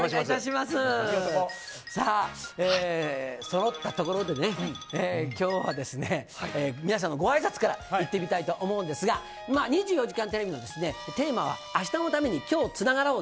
さあ、そろったところでね、きょうは皆さんのごあいさつから頂いてみたいと思うんですが、まあ、２４時間テレビのテーマは、明日のために、今日つながろう。